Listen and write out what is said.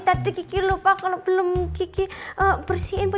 tadi kiki lupa kalau belum gigi bersihin bu